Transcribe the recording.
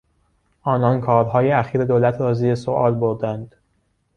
آنان کارهای اخیر دولت را زیر سوال بردند.